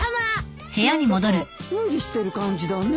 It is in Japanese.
何だか無理してる感じだね。